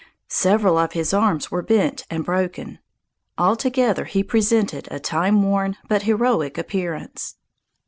Several of his arms were bent and broken. Altogether, he presented a timeworn but heroic appearance.